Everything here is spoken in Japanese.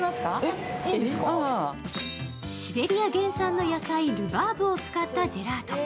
シベリア原産の野菜ルバーブを使ったジェラート。